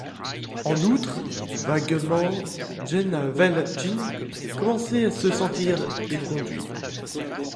En outre, vaguement, Jean Valjean commençait à se sentir éconduit.